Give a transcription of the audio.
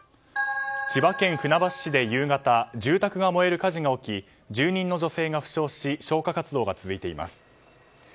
千葉県船橋市で夕方住宅が燃える火事が起き住人の女性が負傷し消火活動が続いています。